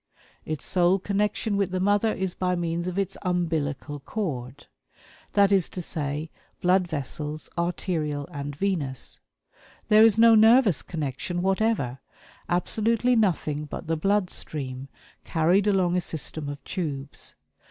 Its sole connection with the mother is by means of its umbilical cord that is to say, blood vessels, arterial and venous. There is no nervous connection whatever; absolutely nothing but the blood stream, carried along a system of tubes.